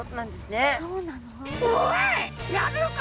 「おいやるのか！？」。